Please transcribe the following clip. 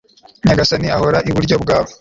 nyagasani ahora iburyo bwawe